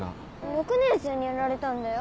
６年生にやられたんだよ？